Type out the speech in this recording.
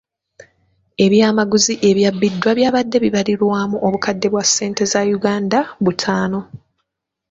Ebyamaguzi ebyabbiddwa byabadde bibalirirwamu obukadde bwa ssente za Uganda butaano.